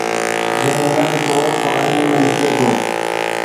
جنهن نه ڏٺو سو آئيني ۾ لڪي ٿو